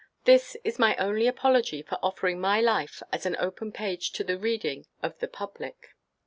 This is my only apology for offering my life as an open page to the reading of the public.